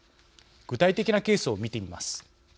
具体的なケースを見てみます。